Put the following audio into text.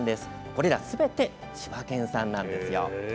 これらすべて千葉県産なんですよ。